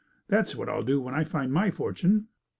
That's what I'll do when I find my fortune."